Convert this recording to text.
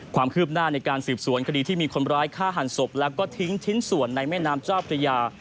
ความคืบหน้าในการสืบสวนคดีที่มีคนร้ายฆ่าหันศพแล้วก็ทิ้งชิ้นส่วนในแม่น้ำเจ้าพระยา